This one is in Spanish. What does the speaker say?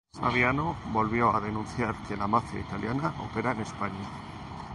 Saviano volvió a denunciar que la mafia italiana opera en España